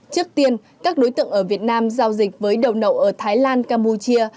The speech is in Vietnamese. trước tiên các đối tượng ở việt nam giao dịch với đầu nậu ở thái lan campuchia